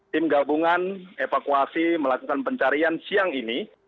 tim gabungan evakuasi melakukan pencarian siang ini